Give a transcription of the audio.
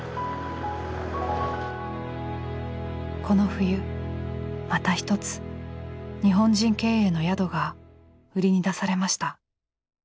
この冬また一つ日本人経営の宿が売りに出されました。